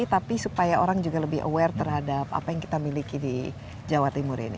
tapi supaya orang juga lebih aware terhadap apa yang kita miliki di jawa timur ini